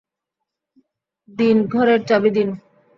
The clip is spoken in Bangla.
দিন, ঘরের চাবি দিন।